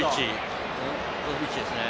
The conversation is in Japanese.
ブロゾビッチですね。